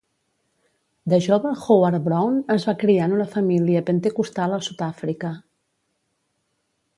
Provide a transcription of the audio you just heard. De jove Howard-Browne es va criar en una família pentecostal a Sud-Àfrica.